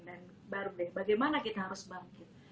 dan baru deh bagaimana kita harus bangkit